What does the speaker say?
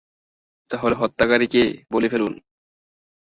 তাহলে হত্যাকারী কে বলে ফেলুন।